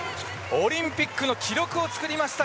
オリンピックの記録を作りました